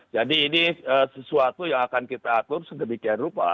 jadi ini sesuatu yang akan kita atur sebegian rupa